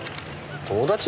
友達？